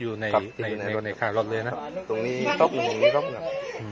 อยู่ในในในข้างรถเลยน่ะตรงนี้ต้มอยู่ตรงนี้ต้มอยู่